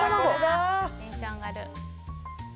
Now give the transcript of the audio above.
テンション上がる。